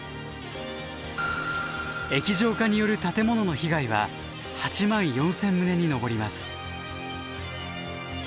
液状化による建物の被害は８万４，０００棟に上ります。